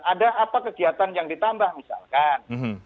ada apa kegiatan yang ditambah misalkan